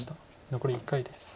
残り１回です。